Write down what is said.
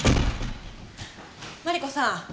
マリコさん